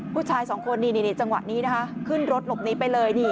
ผู้ชายสองคนนี่จังหวะนี้นะคะขึ้นรถหลบหนีไปเลย